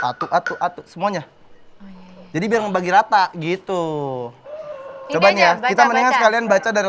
atuh atuh atuh semuanya jadi biar membagi rata gitu coba ya kita mendingan kalian baca dari